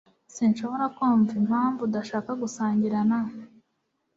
Sinshobora kumva impamvu udashaka gusangira na